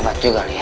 hebat juga lo ya